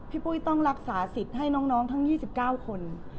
ปุ้ยต้องรักษาสิทธิ์ให้น้องทั้ง๒๙คน